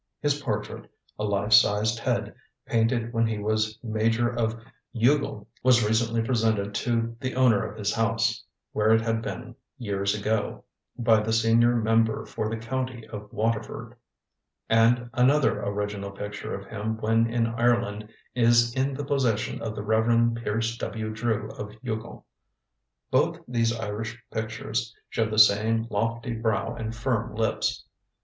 His portrait, a life sized head, painted when he was Major of Youghal, was recently presented to the owner of his house, where it had been years ago, by the senior member for the county of Waterford; and another original picture of him when in Ireland is in the possession of the Rev. Pierce W. Drew of Youghal. Both these Irish pictures show the same lofty brow and firm lips.